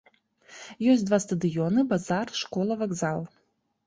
Ёсць два стадыёны, базар, школа, вакзал.